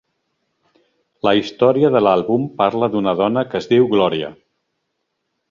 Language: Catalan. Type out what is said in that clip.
La història de l'àlbum parla d'una dona que es diu Gloria.